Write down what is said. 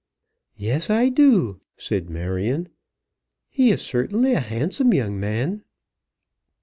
"Yes, I do," said Marion. "He is certainly a handsome young man."